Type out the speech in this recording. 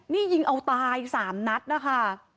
นี่ยิงเอาตาย๓นัดนะคะ